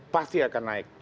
pasti akan naik